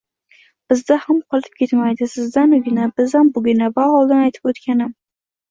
«bizda ham qolib ketmaydi», «sizdan ugina, bizdan bugina»... va oldin aytib o‘tganim